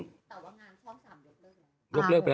แต่ว่างานของช่อง๓ยกเลิกแล้ว